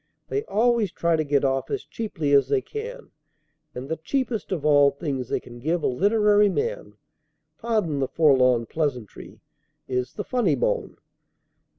They always try to get off as cheaply as they can; and the cheapest of all things they can give a literary man pardon the forlorn pleasantry! is the funny bone.